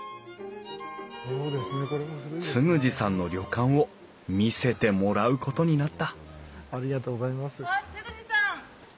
嗣二さんの旅館を見せてもらうことになったあっ嗣二さん！